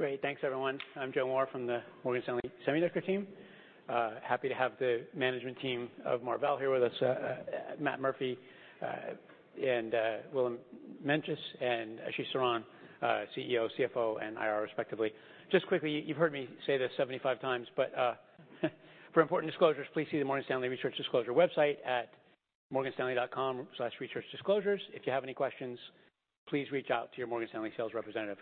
Great. Thanks everyone. I'm Joe Moore from the Morgan Stanley Semiconductor team. Happy to have the management team of Marvell here with us, Matt Murphy, and Willem Meintjes, and Ashish Saran, CEO, CFO, and IR, respectively. Just quickly, you've heard me say this 75x, but for important disclosures, please see the Morgan Stanley Research Disclosure website at morganstanley.com/researchdisclosures. If you have any questions, please reach out to your Morgan Stanley sales representative.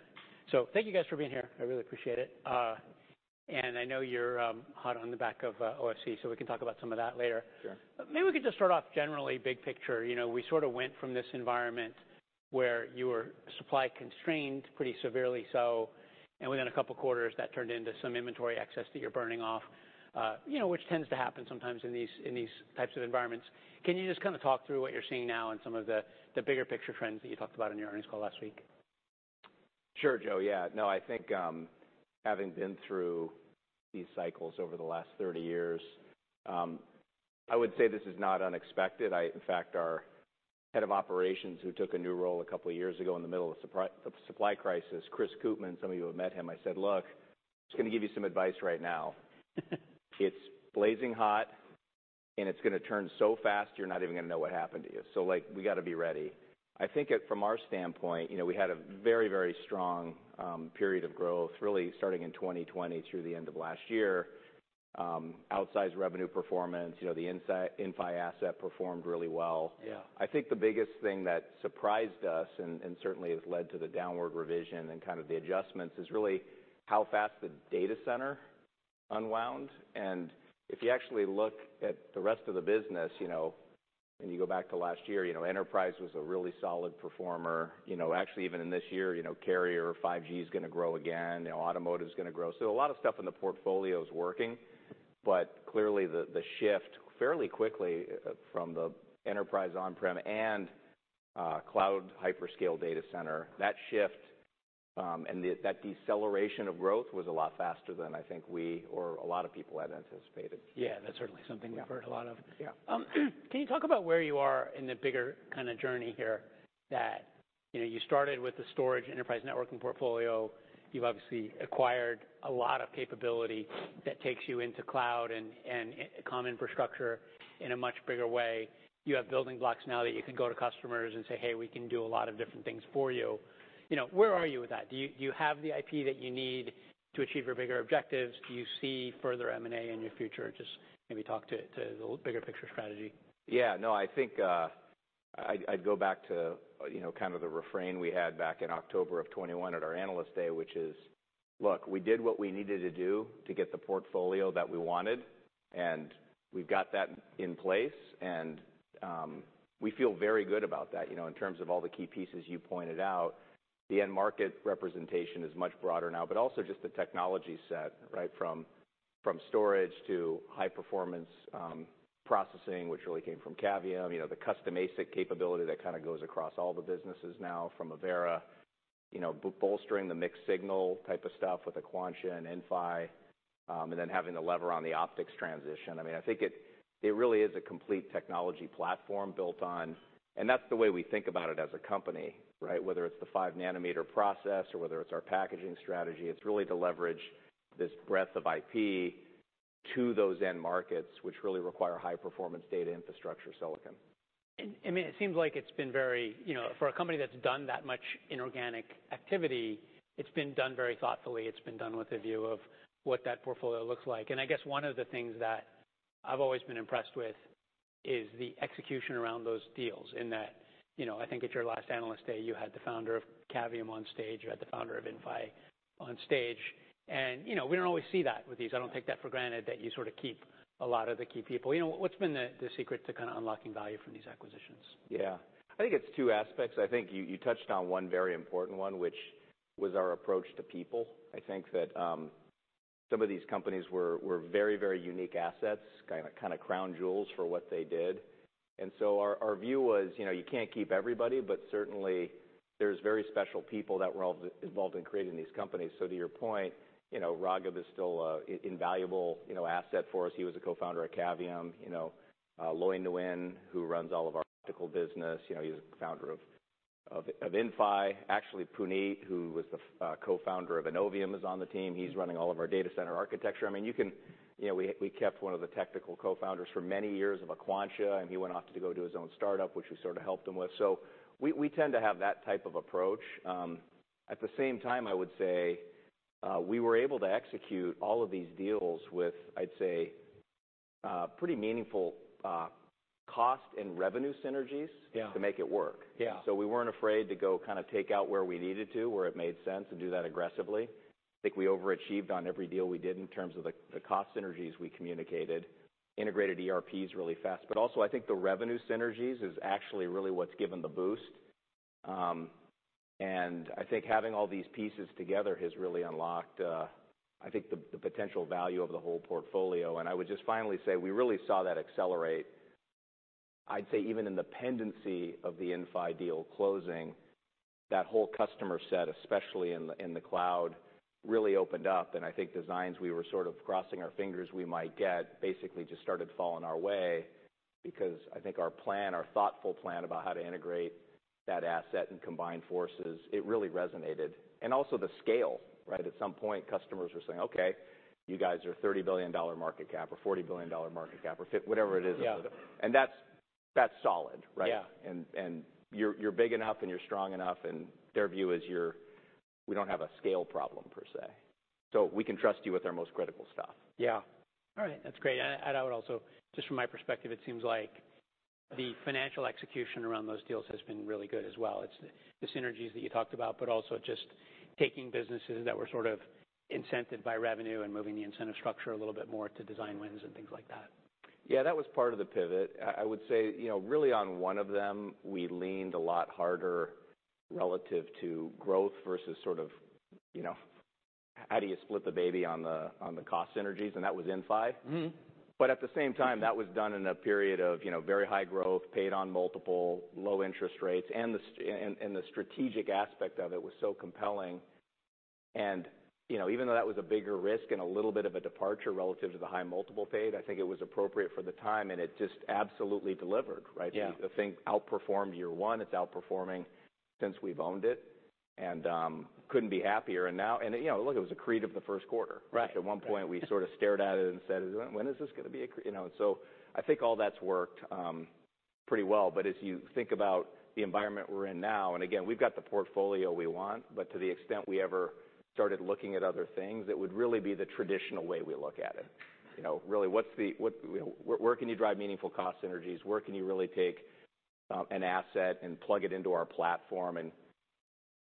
Thank you guys for being here. I really appreciate it. I know you're hot on the back of OFC, so we can talk about some of that later. Sure. Maybe we could just start off generally, big picture. You know, we sort of went from this environment where you were supply-constrained pretty severely so. Within a couple of quarters that turned into some inventory access that you're burning off, you know, which tends to happen sometimes in these types of environments. Can you just kind of talk through what you're seeing now and some of the bigger picture trends that you talked about in your earnings call last week? Sure, Joe. I think, having been through these cycles over the last 30 years, I would say this is not unexpected. In fact, our head of operations, who took a new role a couple of years ago in the middle of the supply crisis, Chris Koopmans, some of you have met him. I said look, blazing hot, and it's gonna turn so fast, you're not even gonna know what happened to you. Like, we got to be ready." I think from our standpoint, you know, we had a very, very strong period of growth, really starting in 2020 through the end of last year. Outsized revenue performance, you know, the Inphi asset performed really well. Yeah. I think the biggest thing that surprised us and certainly has led to the downward revision and kind of the adjustments is really how fast the data center unwound. If you actually look at the rest of the business, you know, and you go back to last year, you know, Enterprise was a really solid performer. You know, actually, even in this year, you know, carrier 5G is gonna grow again. You know, automotive is gonna grow. A lot of stuff in the portfolio is working. Clearly, the shift fairly quickly from the enterprise on-prem and cloud hyperscale data center, that shift, and the, that deceleration of growth was a lot faster than I think we or a lot of people had anticipated. Yeah, that's certainly something we've heard a lot of. Can you talk about where you are in the bigger kind of journey here that, you know, you started with the storage enterprise networking portfolio. You've obviously acquired a lot of capability that takes you into cloud and common infrastructure in a much bigger way. You have building blocks now that you can go to customers and say, "Hey, we can do a lot of different things for you." You know, where are you with that? Do you have the IP that you need to achieve your bigger objectives? Do you see further M&A in your future? Just maybe talk to the bigger picture strategy. Yeah. No, I think, I'd go back to, you know, kind of the refrain we had back in October of 2021 at our Analyst Day, which is, look, we did what we needed to do to get the portfolio that we wanted, and we've got that in place, and we feel very good about that. You know, in terms of all the key pieces you pointed out, the end market representation is much broader now. Also just the technology set, right from storage to high-performance, processing, which really came from Cavium. You know, the custom ASIC capability that kind of goes across all the businesses now from Avera. You know, bolstering the mixed signal type of stuff with Aquantia and Inphi, and then having the lever on the optics transition. I mean, I think it really is a complete technology platform built on, and that's the way we think about it as a company, right? Whether it's the 5nm process or whether it's our packaging strategy, it's really to leverage this breadth of IP to those end markets, which really require high-performance data infrastructure silicon. I mean, it seems like it's been very, you know, for a company that's done that much inorganic activity, it's been done very thoughtfully. It's been done with a view of what that portfolio looks like. I guess one of the things that I've always been impressed with is the execution around those deals in that, you know, I think at your last Analyst Day, you had the founder of Cavium on stage, you had the founder of Inphi on stage. You know, we don't always see that with these. I don't take that for granted that you sort of keep a lot of the key people. You know, what's been the secret to kind of unlocking value from these acquisitions? I think it's two aspects. I think you touched on one very important one, which was our approach to people. I think that some of these companies were very, very unique assets, kind of crown jewels for what they did. Our view was, you know, you can't keep everybody, but certainly there's very special people that were involved in creating these companies. To your point, you know, Raghib Hussain is still a invaluable, you know, asset for us. He was a co-founder of Cavium. You know, Loi Nguyen, who runs all of our optical business, you know, he was founder of Inphi. Actually, Puneet Agarwal, who was the co-founder of Innovium, is on the team. He's running all of our data center architecture. I mean, you can... We kept one of the technical co-founders for many years of Aquantia, and he went off to go do his own startup, which we sort of helped him with. We tend to have that type of approach. At the same time, I would say, we were able to execute all of these deals with, I'd say, pretty meaningful, cost and revenue synergies to make it work. Yeah. We weren't afraid to go kind of take out where we needed to, where it made sense to do that aggressively. I think we overachieved on every deal we did in terms of the cost synergies we communicated. Integrated ERPs really fast. Also, I think the revenue synergies is actually really what's given the boost. I think having all these pieces together has really unlocked, I think the potential value of the whole portfolio. I would just finally say, we really saw that accelerate, I'd say, even in the pendency of the Inphi deal closing. That whole customer set, especially in the cloud, really opened up. I think designs we were sort of crossing our fingers we might get basically just started falling our way. I think our plan, our thoughtful plan about how to integrate that asset and combine forces, it really resonated. Also the scale, right? At some point, customers are saying, "Okay, you guys are $30 billion market cap or $40 billion market cap, or whatever it is. That's solid, right? Yeah. You're big enough and you're strong enough, and their view is you're we don't have a scale problem per se, so we can trust you with our most critical stuff. Yeah. All right. That's great. Just from my perspective, it seems like the financial execution around those deals has been really good as well. It's the synergies that you talked about, but also just taking businesses that were sort of incented by revenue and moving the incentive structure a little bit more to design wins and things like that. Yeah, that was part of the pivot. I would say, you know, really on one of them, we leaned a lot harder relative to growth versus sort of, you know, how do you split the baby on the cost synergies, and that was Inphi. At the same time, that was done in a period of, you know, very high growth, paid on multiple low interest rates, and the strategic aspect of it was so compelling. You know, even though that was a bigger risk and a little bit of a departure relative to the high multiple paid, I think it was appropriate for the time, and it just absolutely delivered, right? The thing outperformed year one. It's outperforming since we've owned it, and, couldn't be happier. You know, look, it was accretive the first quarter. Right. At one point, we sort of stared at it and said, "When is this gonna be?" you know. I think all that's worked, pretty well. As you think about the environment we're in now, and again, we've got the portfolio we want, but to the extent we ever started looking at other things, it would really be the traditional way we look at it. You know, really, what's the where can you drive meaningful cost synergies? Where can you really take, an asset and plug it into our platform and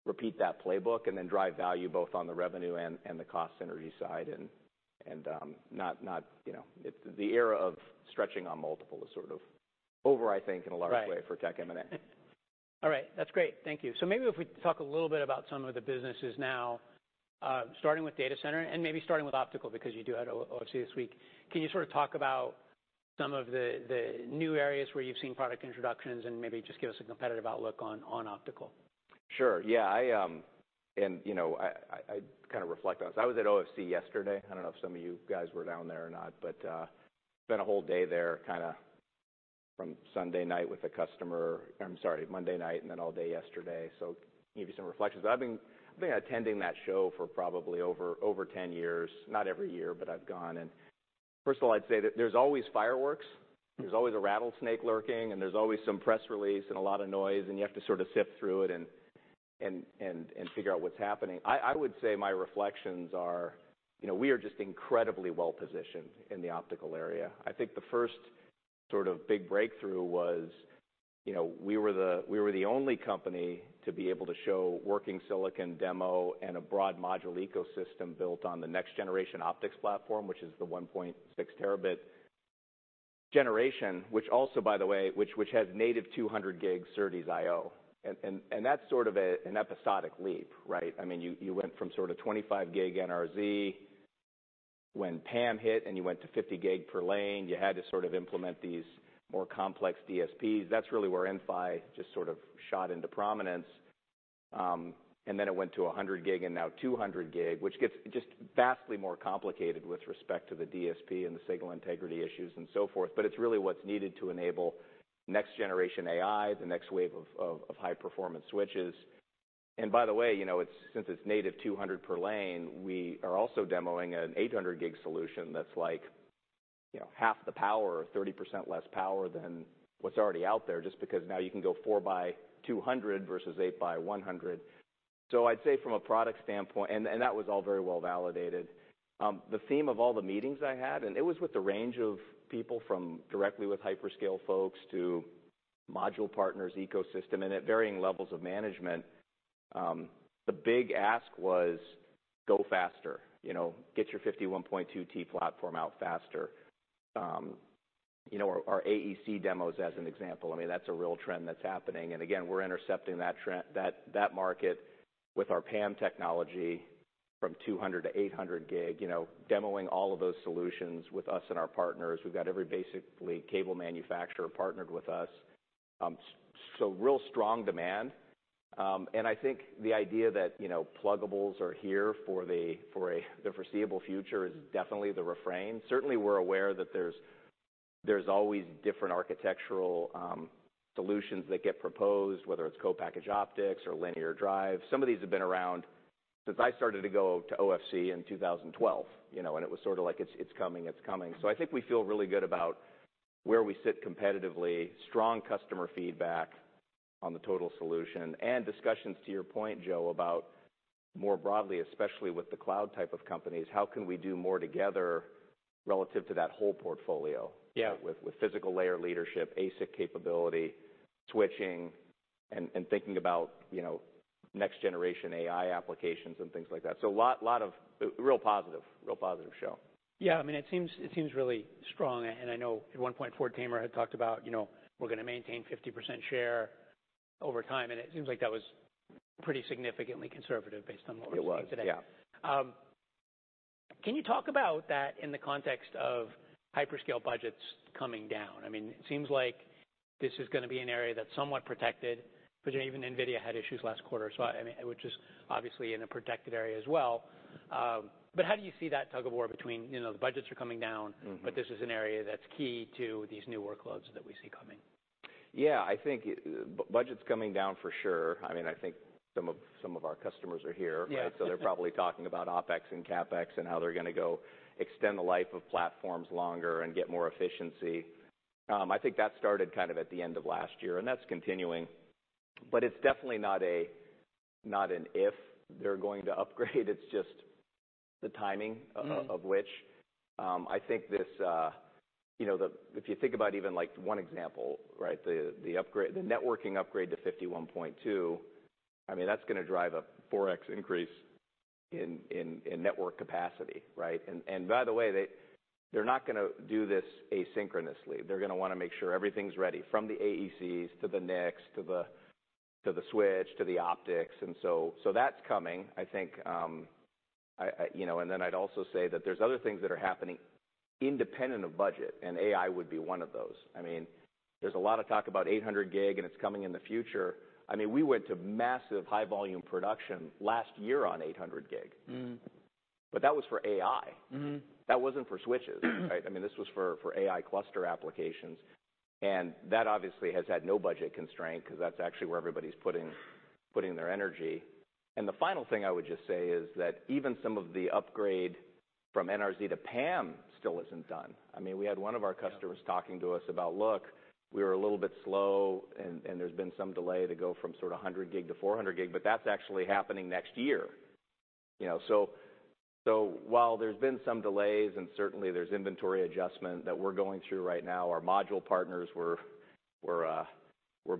repeat that playbook and then drive value both on the revenue and the cost synergy side? not, the era of stretching on multiple is sort of over, I think, in a large way for tech M&A. All right. That's great. Thank you. Maybe if we talk a little bit about some of the businesses now, starting with data center and maybe starting with optical, because you do have OFC this week. Can you sort of talk about some of the new areas where you've seen product introductions and maybe just give us a competitive outlook on optical? Sure. Yeah. I, you know, I kind of reflect on this. I was at OFC yesterday. I don't know if some of you guys were down there or not, but spent a whole day there, kinda from Sunday night with a customer. I'm sorry, Monday night and then all day yesterday. Give you some reflections. I've been attending that show for probably over 10 years. Not every year, but I've gone. First of all, I'd say that there's always fireworks. There's always a rattlesnake lurking, and there's always some press release and a lot of noise, and you have to sort of sift through it and figure out what's happening. I would say my reflections are, you know, we are just incredibly well-positioned in the optical area. I think the first sort of big breakthrough was, you know, we were the only company to be able to show working silicon demo and a broad module ecosystem built on the next generation optics platform, which is the 1.6T generation, which also, by the way, has native 200G SerDes IO. That's sort of an episodic leap, right? I mean, you went from sort of 25G NRZ when PAM hit and you went to 50G per lane. You had to sort of implement these more complex DSPs. That's really where Inphi just sort of shot into prominence. Then it went to 100G and now 200G, which gets just vastly more complicated with respect to the DSP and the signal integrity issues and so forth. It's really what's needed to enable next-generation AI, the next wave of high-performance switches. By the way, you know, since it's native 200G per lane, we are also demoing an 800G solution that's like, you know, half the power or 30% less power than what's already out there, just because now you can go 4 by 200 versus 8 by 100. I'd say from a product standpoint. And that was all very well validated. The theme of all the meetings I had, and it was with a range of people from directly with hyperscale folks to module partners, ecosystem, and at varying levels of management, the big ask was, "Go faster." You know, get your 51.2T platform out faster. You know, our AEC demos as an example, I mean, that's a real trend that's happening. Again, we're intercepting that trend, that market with our PAM technology from 200G to 800G. You know, demoing all of those solutions with us and our partners. We've got every, basically, cable manufacturer partnered with us. So real strong demand. I think the idea that, you know, pluggables are here for the, for a, the foreseeable future is definitely the refrain. Certainly, we're aware that there's always different architectural solutions that get proposed, whether it's co-packaged optics or linear drive. Some of these have been around since I started to go to OFC in 2012. You know, it was sort of like, "It's, it's coming. It's coming." I think we feel really good about where we sit competitively. Strong customer feedback on the total solution and discussions, to your point, Joe, about more broadly, especially with the cloud type of companies, how can we do more together relative to that whole portfolio? Yeah. With physical layer leadership, ASIC capability, switching, and thinking about, you know, next generation AI applications and things like that. A lot of real positive, real positive show. Yeah. I mean, it seems really strong. I know at one point, Ford Tamer had talked about, you know, we're gonna maintain 50% share over time, it seems like that was pretty significantly conservative based on what we're seeing today. It was, yeah. Can you talk about that in the context of hyperscale budgets coming down? It seems like this is gonna be an area that's somewhat protected. Even NVIDIA had issues last quarter, which is obviously in a protected area as well. How do you see that tug-of-war between, the budgets are coming down…? This is an area that's key to these new workloads that we see coming? Yeah. I think budget's coming down for sure. I mean, I think some of our customers are here right? They're probably talking about OpEx and CapEx and how they're gonna go extend the life of platforms longer and get more efficiency. I think that started kind of at the end of last year, and that's continuing. It's definitely not a, not an if they're going to upgrade, it's just the timing of which I think this, you know, if you think about even, like, one example, right? The upgrade, the networking upgrade to 51.2T, I mean, that's gonna drive a 4x increase in network capacity, right? By the way, they're not gonna do this asynchronously. They're gonna wanna make sure everything's ready from the AECs to the NICs, to the switch, to the optics, so that's coming. I think, you know, then I'd also say that there's other things that are happening independent of budget, and AI would be one of those. I mean, there's a lot of talk about 800G, and it's coming in the future. I mean, we went to massive high-volume production last year on 800G. That was for AI. That wasn't for switches, right? I mean, this was for AI cluster applications. That obviously has had no budget constraint 'cause that's actually where everybody's putting their energy. The final thing I would just say is that even some of the upgrade from NRZ to PAM still isn't done. I mean, we had one of our customers talking to us about, "Look, we were a little bit slow, and there's been some delay to go from sort of 100G to 400G," but that's actually happening next year, you know? While there's been some delays, and certainly there's inventory adjustment that we're going through right now, our module partners were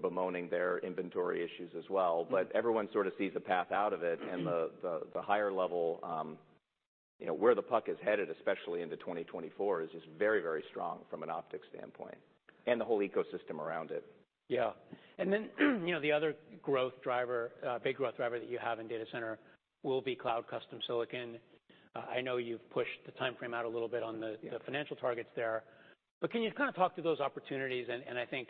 bemoaning their inventory issues as well. Everyone sort of sees the path out of it. The higher level, you know, where the puck is headed, especially into 2024, is just very, very strong from an optics standpoint, and the whole ecosystem around it. Yeah. You know, the other growth driver, big growth driver that you have in data center will be cloud custom silicon. I know you've pushed the timeframe out a little bit on the financial targets there, but can you kind of talk to those opportunities? I think,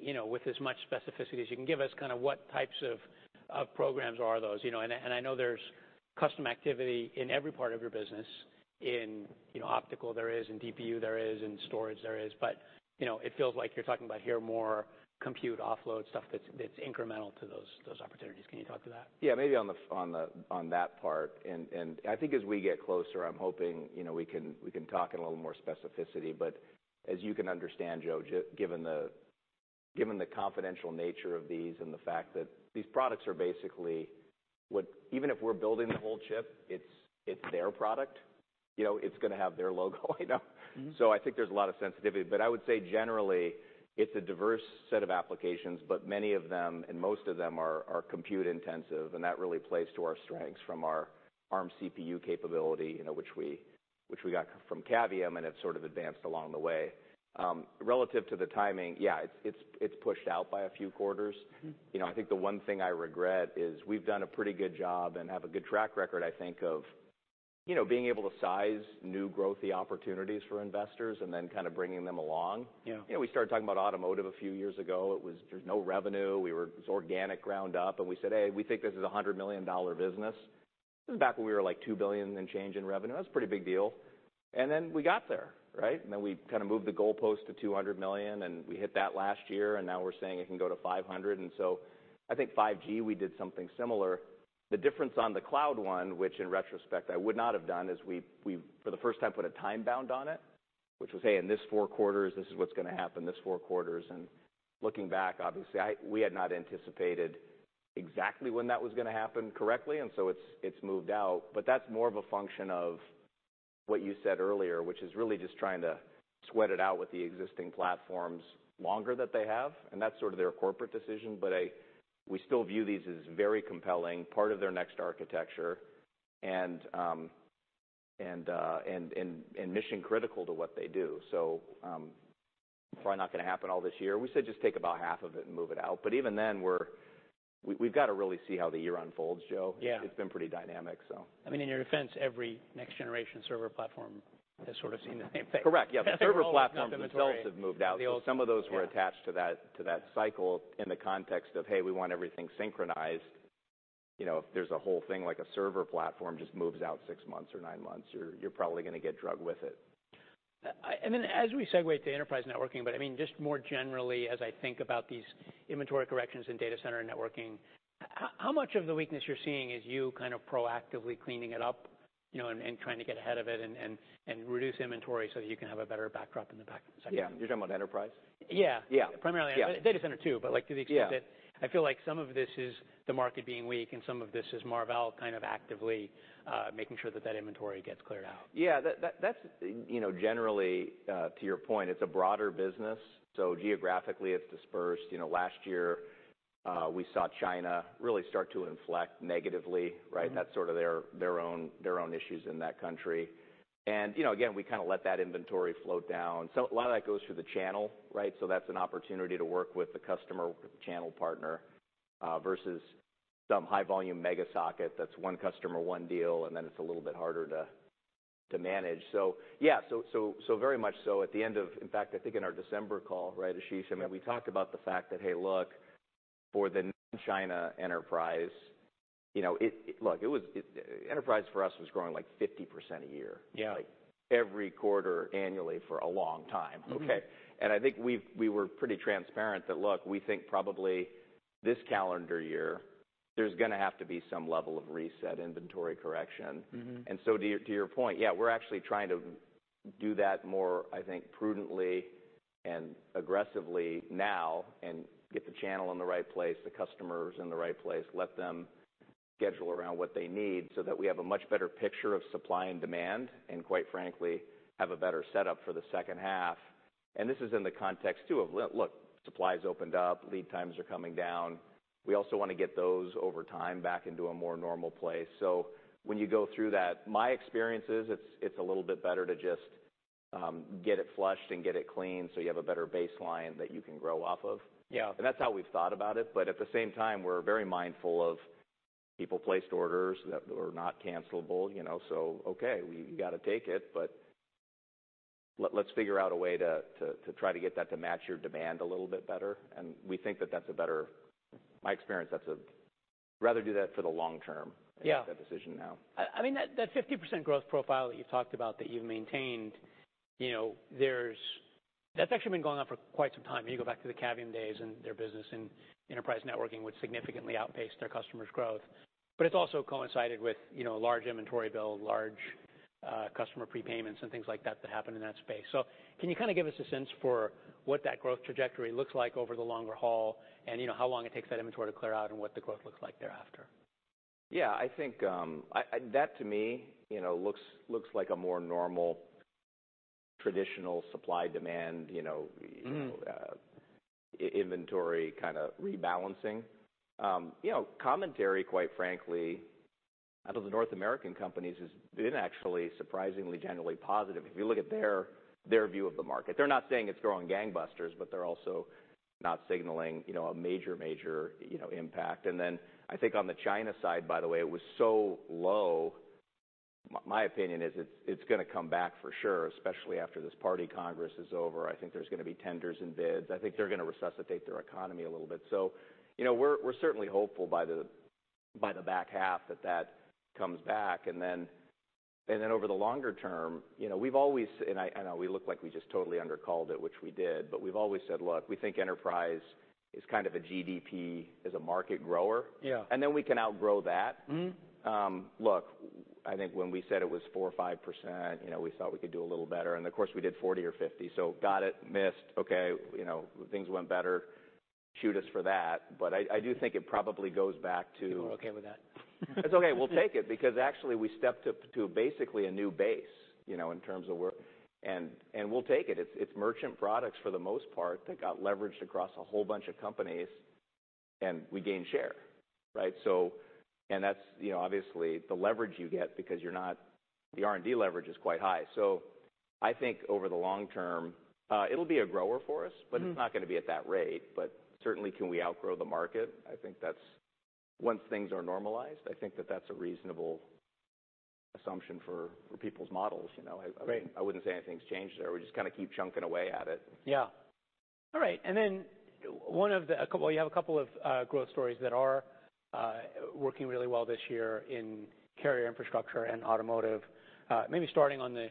you know, with as much specificity as you can give us, kind of what types of programs are those, you know? I know there's custom activity in every part of your business. In, you know, optical there is, in DPU there is, in storage there is. You know, it feels like you're talking about here more compute offload stuff that's incremental to those opportunities. Can you talk to that? Yeah. Maybe on the on that part. I think as we get closer, I'm hoping, you know, we can talk in a little more specificity. As you can understand, Joe, given the confidential nature of these and the fact that these products are basically even if we're building the whole chip, it's their product. You know, it's gonna have their logo, you know? I think there's a lot of sensitivity. I would say generally, it's a diverse set of applications, many of them and most of them are compute intensive, that really plays to our strengths from our Arm CPU capability, you know, which we got from Cavium, it sort of advanced along the way. Relative to the timing, yeah, it's pushed out by a few quarters. You know, I think the one thing I regret is we've done a pretty good job and have a good track record, I think, of, you know, being able to size new growthy opportunities for investors, and then kind of bringing them along. Yeah. You know, we started talking about automotive a few years ago. There's no revenue. It was organic, ground up. We said, "Hey, we think this is a $100 million business." This is back when we were, like, $2 billion and change in revenue. That's a pretty big deal. Then we got there, right? Then we kinda moved the goalpost to $200 million, and we hit that last year, and now we're saying it can go to $500 million. I think 5G we did something similar. The difference on the cloud one, which in retrospect I would not have done, is we for the first time put a time bound on it, which was, "Hey, in this four quarters, this is what's gonna happen this four quarters." Looking back, obviously, we had not anticipated exactly when that was gonna happen correctly. It's, it's moved out. That's more of a function of what you said earlier, which is really just trying to sweat it out with the existing platforms longer that they have, and that's sort of their corporate decision. We still view these as very compelling, part of their next architecture and mission critical to what they do. Probably not gonna happen all this year. We said just take about half of it and move it out. Even then we've gotta really see how the year unfolds, Joe. Yeah. It's been pretty dynamic, so. I mean, in your defense, every next generation server platform has sort of seen the same thing. Correct. Yeah. The server platforms- It's not been the-.... themselves have moved out. Some of those were attached to that cycle in the context of, "Hey, we want everything synchronized." You know, if there's a whole thing, like a server platform just moves out six months or nine months, you're probably gonna get drug with it. As we segue to enterprise networking, I mean, just more generally as I think about these inventory corrections in data center networking, how much of the weakness you're seeing is you kind of proactively cleaning it up, you know, and trying to get ahead of it and reduce inventory so that you can have a better backdrop in the back section? Yeah. You're talking about enterprise? Yeah. Primarily data center too, but, like, to the extent that... I feel like some of this is the market being weak and some of this is Marvell kind of actively making sure that that inventory gets cleared out. Yeah. That's, you know, generally, to your point, it's a broader business, geographically it's dispersed. You know, last year, we saw China really start to inflect negatively, right? That's sort of their own, their own issues in that country. You know, again, we kinda let that inventory float down. A lot of that goes through the channel, right? That's an opportunity to work with the customer, with the channel partner, versus some high volume mega socket that's one customer, one deal, and then it's a little bit harder to manage. Yeah, very much so at the end of... In fact, I think in our December call, right, Ashish? I mean, we talked about the fact that, hey, look, for the China enterprise, you know, look, enterprise for us was growing, like, 50% a year. Like, every quarter annually for a long time. Mm-hmm. Okay. I think we were pretty transparent that, look, we think probably this calendar year, there's going to have to be some level of reset inventory correction To your point, yeah, we're actually trying to do that more, I think, prudently and aggressively now and get the channel in the right place, the customers in the right place. Let them schedule around what they need so that we have a much better picture of supply and demand, and quite frankly, have a better setup for the second half. This is in the context too of, look, supplies opened up, lead times are coming down. We also wanna get those over time back into a more normal place. When you go through that, my experience is it's a little bit better to just get it flushed and get it clean so you have a better baseline that you can grow off of. Yeah. That's how we've thought about it. At the same time, we're very mindful of people placed orders that were not cancelable, you know, so okay, we gotta take it, but let's figure out a way to try to get that to match your demand a little bit better. We think that that's a better... My experience, that's a... Rather do that for the long term- Yeah Make that decision now. I mean, that 50% growth profile that you've talked about that you've maintained, you know, That's actually been going on for quite some time. You go back to the Cavium days and their business in enterprise networking would significantly outpace their customers' growth, but it's also coincided with, you know, large inventory build, large, customer prepayments and things like that that happened in that space. Can you kinda give us a sense for what that growth trajectory looks like over the longer haul and, you know, how long it takes that inventory to clear out and what the growth looks like thereafter? Yeah. I think, That to me, looks like a more normal traditional supply-demand, inventory kinda rebalancing. You know, commentary, quite frankly, out of the North American companies has been actually surprisingly generally positive, if you look at their view of the market. They're not saying it's growing gangbusters, but they're also not signaling, you know, a major, you know, impact. I think on the China side, by the way, it was so low. My opinion is it's gonna come back for sure, especially after this party congress is over. I think there's gonna be tenders and bids. I think they're gonna resuscitate their economy a little bit. You know, we're certainly hopeful by the back half that that comes back. Over the longer term, you know, we've always... We look like we just totally undercalled it, which we did, but we've always said, "Look, we think enterprise is kind of a GDP as a market grower. Yeah. Then we can outgrow that. Look, I think when we said it was 4% or 5%, you know, we thought we could do a little better. Of course we did 40% or 50%. Got it. Missed. You know, things went better. Shoot us for that. I do think it probably goes back to. We're okay with that. It's okay, we'll take it because actually we stepped up to basically a new base, you know, in terms of where... We'll take it. It's, it's merchant products for the most part that got leveraged across a whole bunch of companies, and we gained share, right? That's, you know, obviously the leverage you get because you're not... The R&D leverage is quite high. I think over the long term, it'll be a grower for us but it's not gonna be at that rate. Certainly can we outgrow the market? I think that's... Once things are normalized, I think that that's a reasonable assumption for people's models, you know? I mean. Right I wouldn't say anything's changed there. We just kinda keep chunking away at it. Yeah. All right. Well, you have a couple of growth stories that are working really well this year in carrier infrastructure and automotive. Maybe starting on the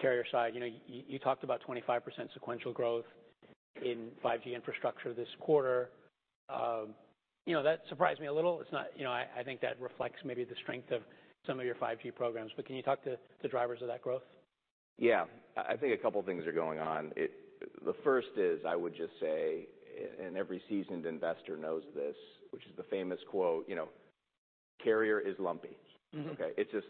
carrier side. You know, you talked about 25% sequential growth in 5G infrastructure this quarter. You know, that surprised me a little. It's not, you know, I think that reflects maybe the strength of some of your 5G programs, but can you talk to the drivers of that growth? Yeah. I think a couple things are going on. The first is, I would just say, and every seasoned investor knows this, which is the famous quote, you know, "Carrier is lumpy. Okay? It's just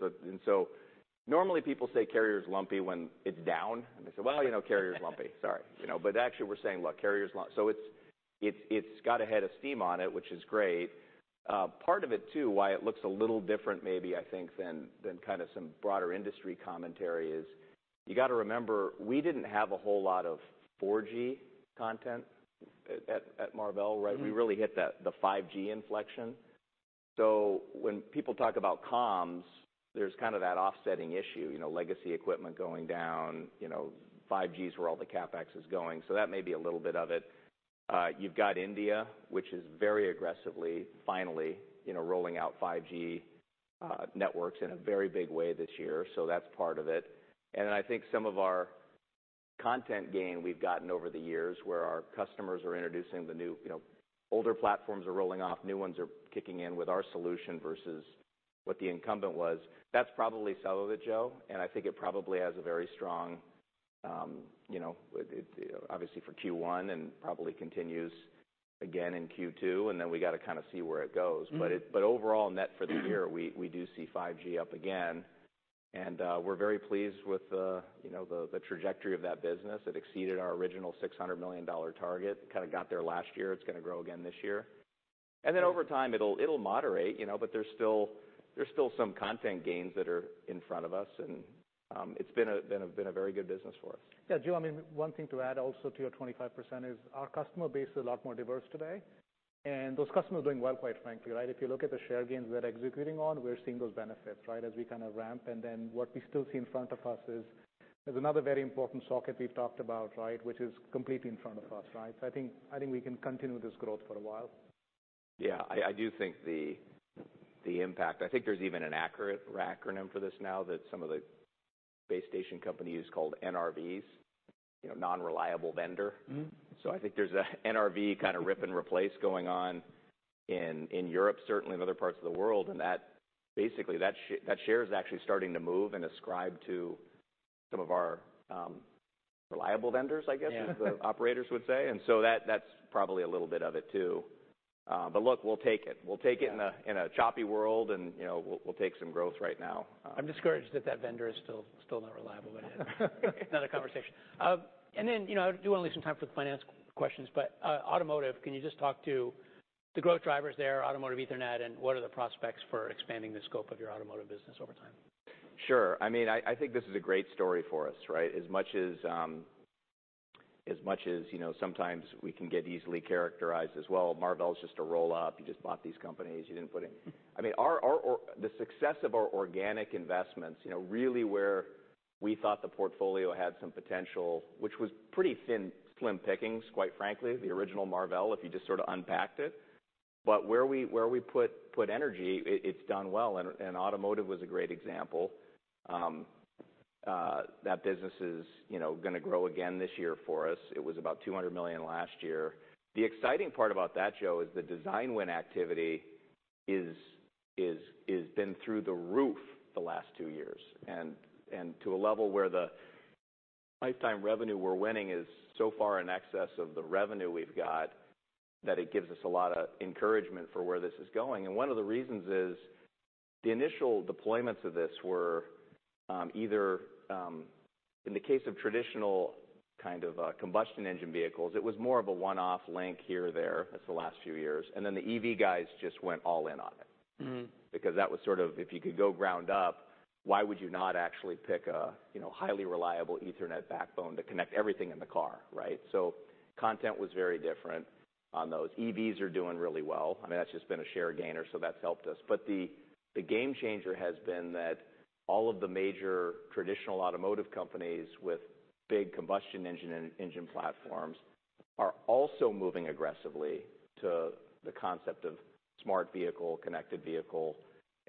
a. Normally people say carrier is lumpy when it's down, and they say, "Well, you know, carrier is lumpy." Sorry. You know, actually we're saying, look, carrier is lumpy. It's got a head of steam on it, which is great. Part of it too, why it looks a little different maybe, I think, than kind of some broader industry commentary is you gotta remember, we didn't have a whole lot of 4G content at Marvell, right? We really hit that, the 5G inflection. When people talk about comms, there's kind of that offsetting issue, you know, legacy equipment going down. You know, 5G is where all the CapEx is going. That may be a little bit of it. You've got India, which is very aggressively finally, you know, rolling out 5G networks in a very big way this year, so that's part of it. Then I think some of our content gain we've gotten over the years where our customers are introducing the new, you know, older platforms are rolling off, new ones are kicking in with our solution versus what the incumbent was. That's probably some of it, Joe, and I think it probably has a very strong, obviously for Q1 and probably continues again in Q2, and then we gotta kinda see where it goes. Overall net for the year, we do see 5G up again. We're very pleased with, you know, the trajectory of that business. It exceeded our original $600 million target. Kind of got there last year. It's going to grow again this year. Over time it'll moderate, you know, but there's still some content gains that are in front of us, and it's been a very good business for us. Joe, I mean, one thing to add also to your 25% is our customer base is a lot more diverse today. Those customers are doing well, quite frankly, right? If you look at the share gains we're executing on, we're seeing those benefits, right? As we kind of ramp. What we still see in front of us is another very important socket we've talked about, right? Which is completely in front of us, right? I think we can continue this growth for a while. Yeah. I do think the impact I think there's even an accurate acronym for this now that some of the base station companies called NRVs, you know, Non-Reliable Vendor. I think there's a NRV kind of rip-and-replace going on in Europe, certainly in other parts of the world. That basically, that share is actually starting to move and ascribe to some of our reliable vendors, I guess as the operators would say. That's probably a little bit of it too. Look, we'll take it in a choppy world and, you know, we'll take some growth right now. I'm discouraged that that vendor is still not reliable, anyway. Another conversation. You know, I do wanna leave some time for the finance questions. Automotive, can you just talk to the growth drivers there, automotive Ethernet, and what are the prospects for expanding the scope of your automotive business over time? Sure. I mean, I think this is a great story for us, right? As much as much as, you know, sometimes we can get easily characterized as, "Well, Marvell is just a roll-up. You just bought these companies. You didn't put in..." I mean, our, the success of our organic investments, you know, really where we thought the portfolio had some potential, which was pretty thin, slim pickings, quite frankly, the original Marvell, if you just sort of unpacked it. Where we, where we put energy, it's done well and automotive was a great example. That business is, you know, gonna grow again this year for us. It was about $200 million last year. The exciting part about that, Joe, is the design win activity is been through the roof the last two years and to a level where the lifetime revenue we're winning is so far in excess of the revenue we've got that it gives us a lot of encouragement for where this is going. One of the reasons is the initial deployments of this were either in the case of traditional kind of combustion engine vehicles, it was more of a one-off link here or there. That's the last few years. Then the EV guys just went all in on it. That was sort of if you could go ground up, why would you not actually pick a, you know, highly reliable Ethernet backbone to connect everything in the car, right? Content was very different on those. EVs are doing really well. I mean, that's just been a share gainer, so that's helped us. The game changer has been that all of the major traditional automotive companies with big combustion engine and engine platforms are also moving aggressively to the concept of smart vehicle, connected vehicle,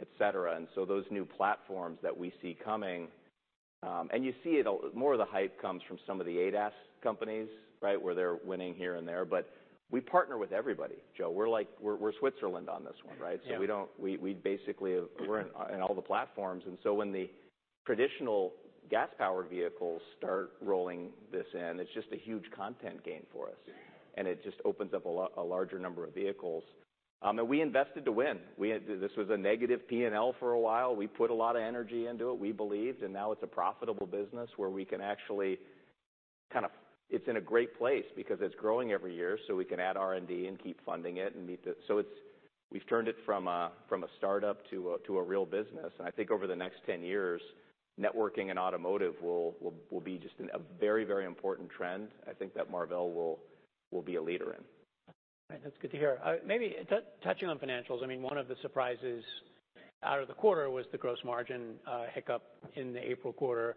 et cetera. Those new platforms that we see coming, and you see it More of the hype comes from some of the ADAS companies, right? Where they're winning here and there, but we partner with everybody, Joe. We're like, we're Switzerland on this one, right? Yeah. We basically, we're in all the platforms. When the traditional gas-powered vehicles start rolling this in, it's just a huge content gain for us. it just opens up a larger number of vehicles. We invested to win. We, this was a negative P&L for a while. We put a lot of energy into it, we believed, and now it's a profitable business where we can actually kind of. It's in a great place because it's growing every year, so we can add R&D and keep funding it and meet the. it's, we've turned it from a, from a start-up to a, to a real business. I think over the next 10 years, networking and automotive will be just a very, very important trend, I think that Marvell will be a leader in. All right. That's good to hear. Maybe touching on financials, I mean, one of the surprises out of the quarter was the gross margin hiccup in the April quarter.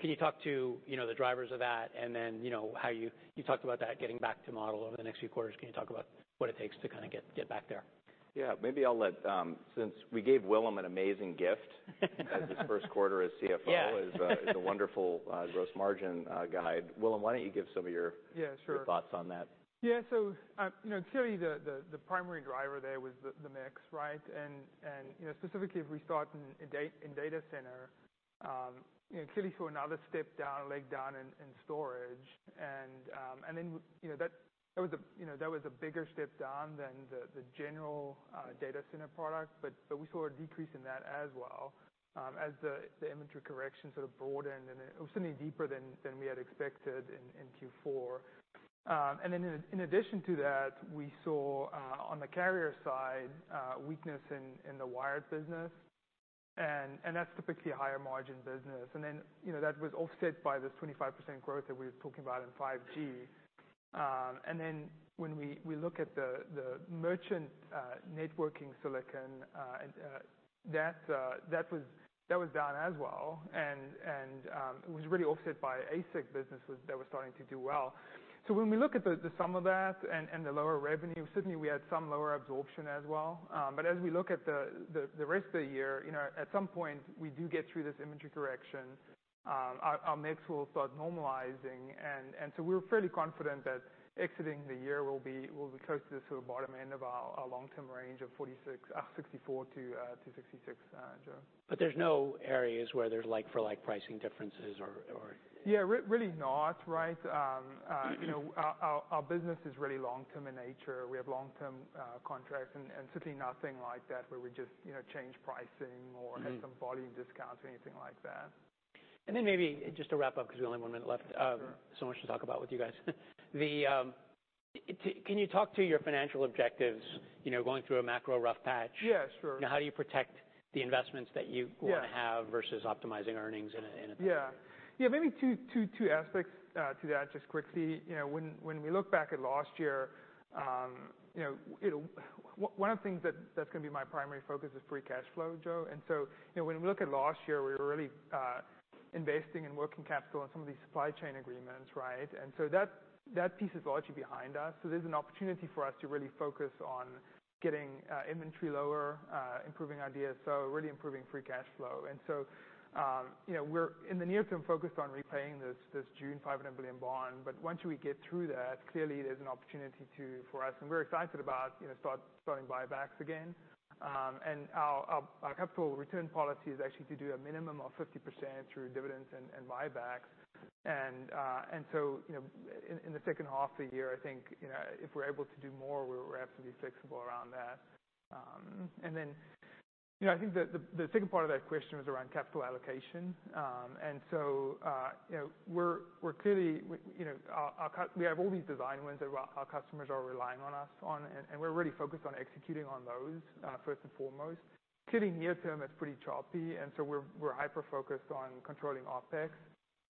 Can you talk to, you know, the drivers of that and then, you know, how you talked about that getting back to model over the next few quarters. Can you talk about what it takes to kinda get back there? Yeah. Maybe I'll let, since we gave Willem an amazing gift, as his first quarter as CFO. It is a wonderful, gross margin, guide. Willem, why don't you give some of your thoughts on that. You know, clearly the primary driver there was the mix, right? You know, specifically if we start in data center, you know, clearly saw another step down, leg down in storage. Then, you know, that was a bigger step down than the general, data center product. We saw a decrease in that as well, as the inventory correction sort of broadened and it was certainly deeper than we had expected in Q4. Then in addition to that, we saw, on the carrier side, weakness in the wired business and that's typically a higher margin business. Then, you know, that was offset by this 25% growth that we were talking about in 5G. When we look at the merchant networking silicon, and that was down as well, and it was really offset by ASIC businesses that were starting to do well. When we look at the sum of that and the lower revenue, certainly we had some lower absorption as well. As we look at the rest of the year, you know, at some point we do get through this inventory correction, our mix will start normalizing. We're fairly confident that exiting the year we'll be close to sort of bottom end of our long-term range of 46, 64-66, Joe. There's no areas where there's like-for-like pricing differences or? Yeah, really not, right? You know, our business is really long-term in nature. We have long-term contracts and certainly nothing like that where we just, you know, change pricing, have some volume discounts or anything like that. Maybe just to wrap up, because we only have 1 minute left. So much to talk about with you guys. Can you talk to your financial objectives, you know, going through a macro rough patch? Yes, sure. You know, how do you protect the investments that wanna have versus optimizing earnings in a- Yeah, maybe two aspects to that, just quickly. You know, when we look back at last year, you know, one of the things that's gonna be my primary focus is free cash flow, Joe. You know, when we look at last year, we were really investing in working capital on some of these supply chain agreements, right? That, that piece is largely behind us. There's an opportunity for us to really focus on getting inventory lower, improving our DSO, really improving free cash flow. You know, we're in the near term focused on repaying this June $500 million bond. Once we get through that, clearly there's an opportunity to, for us, and we're excited about, you know, starting buybacks again. Our capital return policy is actually to do a minimum of 50% through dividends and buybacks. You know, in the second half of the year, I think, you know, if we're able to do more, we're happy to be flexible around that. You know, I think the second part of that question was around capital allocation. You know, we're clearly, we have all these design wins that our customers are relying on us on, and we're really focused on executing on those first and foremost. Clearly near term it's pretty choppy and so we're hyper-focused on controlling OpEx.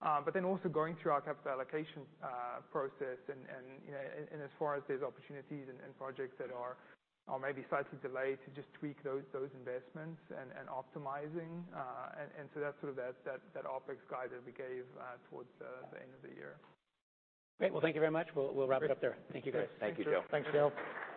Also going through our capital allocation, process and, you know, and as far as there's opportunities and projects that are maybe slightly delayed, to just tweak those investments and optimizing. So that's sort of that, that OpEx guide that we gave, towards the end of the year. Great. Well, thank you very much. We'll wrap it up there. Thank you guys. Thank you, Joe. Thanks, Joe. Thanks, Willem.